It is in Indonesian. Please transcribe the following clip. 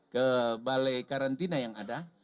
ke balai karantina yang ada